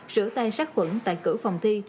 sửa tay sát khuẩn tại cử phòng thi